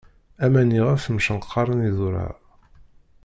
Aman iɣef mcenqaṛen idurar.